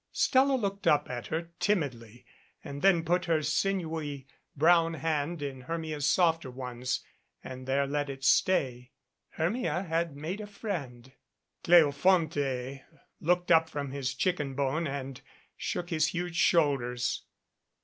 Stella looked up at her timidly and then put her sinewy brown hand in Hermia's softer ones and there let it stay. Hermia had made a friend. Cleofonte looked up from his chicken bone and shook his huge shoulders.